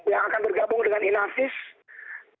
yang akan bergabung dengan pusat laboratorium forensik mabes polri